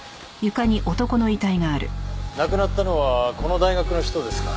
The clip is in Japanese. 亡くなったのはこの大学の人ですか？